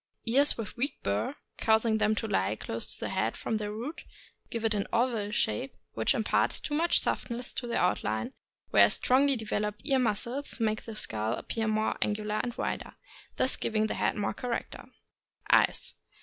Ears with weak burr, causing them to lie close to the head from their roots, give it an oval shape, which imparts too much softness to the outline, whereas strongly developed ear muscles make the skull appear more angular and wider, thus giving the head more character. Eyes.